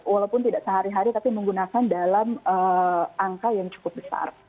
walaupun tidak sehari hari tapi menggunakan dalam angka yang cukup besar